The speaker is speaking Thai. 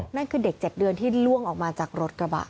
นั่นคือเด็ก๗เดือนที่ล่วงออกมาจากรถกระบะ